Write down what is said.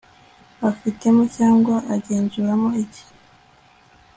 afitemo cyangwa agenzuramo iki